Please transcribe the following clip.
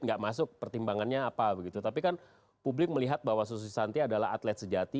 nggak masuk pertimbangannya apa begitu tapi kan publik melihat bahwa susi santi adalah atlet sejati